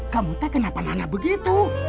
kamu kenapa begitu